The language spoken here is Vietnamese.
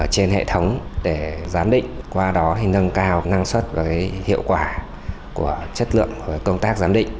trên hệ thống để giám định qua đó nâng cao năng suất và hiệu quả của chất lượng công tác giám định